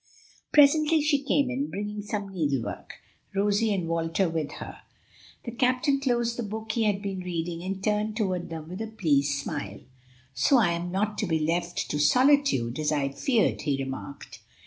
Presently she came in, bringing some needlework; Rosie and Walter with her. The captain closed the book he had been reading and turned toward them with a pleased smile. "So I am not to be left to solitude, as I feared," he remarked.